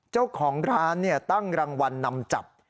เจ้าของร้านตั้งรางวัลนำจับ